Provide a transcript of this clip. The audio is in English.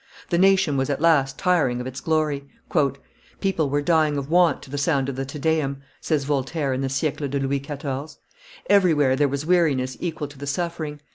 The nation was at last tiring of its glory. "People were dying of want to the sound of the Te Deum," says Voltaire in the Siecle de Louis XIV.; everywhere there was weariness equal to the suffering.